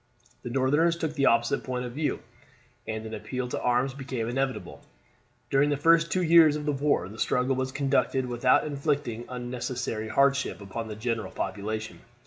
The Northerners took the opposite point of view, and an appeal to arms became inevitable. During the first two years of the war the struggle was conducted without inflicting unnecessary hardship upon the general population.